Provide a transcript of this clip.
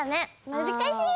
むずかしい！